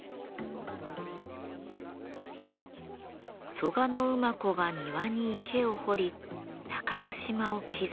「蘇我馬子が庭に池を掘り中の島を築いた」。